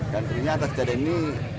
dan tentunya atas kejadian ini